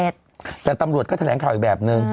แต่ตำรวจก็แถลงข่าวอีกแบบนึง